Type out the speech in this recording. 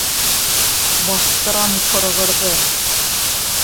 Баҫтырам ҡороғорҙо.